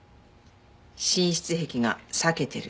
心室壁が裂けてる。